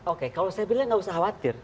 oke kalau saya bilang nggak usah khawatir